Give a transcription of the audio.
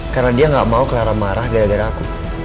karena dia nggak mau kelarah marah gara gara aku